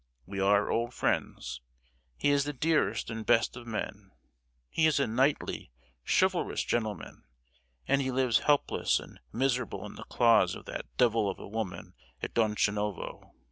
We are old friends; he is the dearest and best of men, he is a knightly, chivalrous gentleman, and he lives helpless and miserable in the claws of that devil of a woman at Donchanovo!